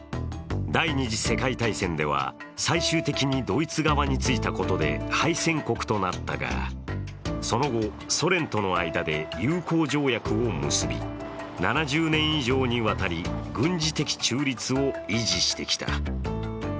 第二次世界大戦では最終的にドイツ側についたことで敗戦国となったが、その後、ソ連との間で友好条約を結び７０年以上にわたり軍事的中立を維持してきた。